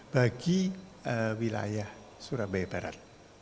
bagi wilayah surabaya barat